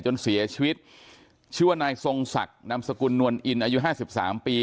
จนเสียชีวิตชื่อว่านายทรงศักดิ์นำสกุลนวลอินอายุห้าสิบสามปี